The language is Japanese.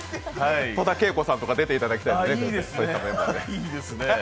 戸田恵子さんとか出ていただきたいですね。